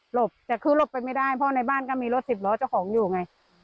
บแต่คือหลบไปไม่ได้เพราะในบ้านก็มีรถสิบล้อเจ้าของอยู่ไง